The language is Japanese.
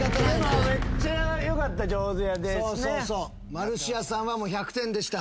マルシアさんは１００点でした。